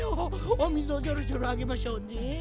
おみずをじょろじょろあげましょうね。